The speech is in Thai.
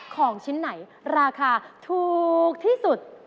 ของชิ้นไหนราคาถูกที่สุด